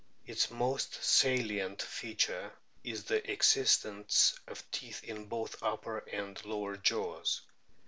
Its most salient feature is the existence of teeth in both upper and lower jaws.